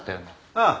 ああ。